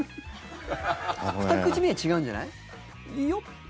２口目は違うんじゃない？